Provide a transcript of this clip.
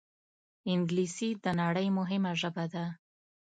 انګلیسي د نړۍ مهمه ژبه ده